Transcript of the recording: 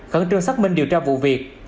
khẩn trương xác minh điều tra vụ việc